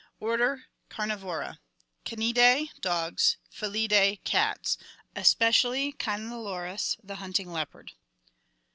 Order Carnivora. Canidae. Dogs. Felidae. Cats. Especially Cynalums, the hunting leopard.